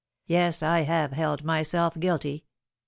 Yes, I have held myself guilty.